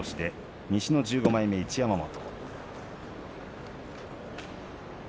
西１５枚目、一山本。